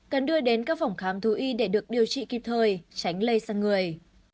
cần đưa đến các phòng khám thú y để được điều trị kịp thời tránh lây sang người